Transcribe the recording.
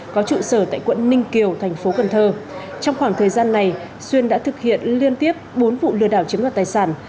có trụ sở tại quận ninh kiều tp cn trong khoảng thời gian này xuyên đã thực hiện liên tiếp bốn vụ lừa đảo chiếm các tài sản